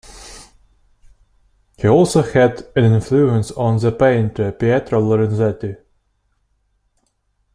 He also had an influence on the painter Pietro Lorenzetti.